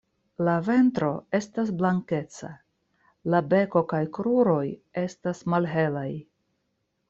La ventro estas blankeca, la beko kaj kruroj estas malhelaj.